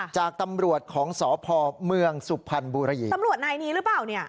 จากตำรวจของสพเมืองสุพรรณบุรีตำรวจนายนี้หรือเปล่าเนี่ย